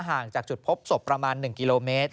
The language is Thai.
ห่างจากจุดพบศพประมาณ๑กิโลเมตร